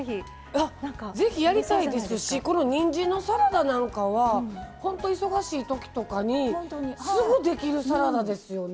あぜひやりたいですしにんじんのサラダなんかは本当忙しいときとかにすぐできるサラダですよね。